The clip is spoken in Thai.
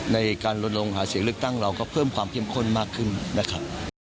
ในการลดลงหาเสียงเลือกตั้งเราก็เพิ่มความเข้มข้นมากขึ้นนะครับ